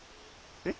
えっ？